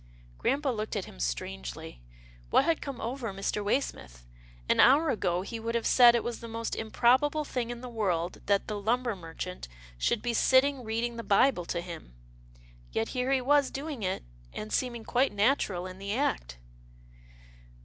Grampa looked at him strangely. What had come over Mr. Waysmith. An hour ago, he would have said it was the most improbable thing in the world that the lumber merchant should be sitting reading the Bible to him. Yet here he was doing it, and seeming quite natural in the act.